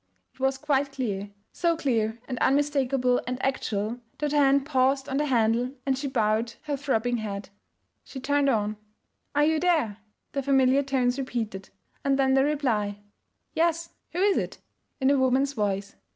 It was quite clear, so clear and unmistakable and actual that her hand paused on the handle and she bowed her throbbing head. She turned on; 'Are you there?' the familiar tones repeated. And then the reply, 'Yes, who is it?' in a woman's voice.